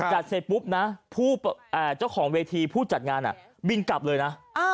เสร็จปุ๊บนะเจ้าของเวทีผู้จัดงานบินกลับเลยนะ